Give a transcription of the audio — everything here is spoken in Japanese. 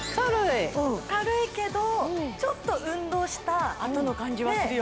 軽いけどちょっと運動したあとの感じはするよ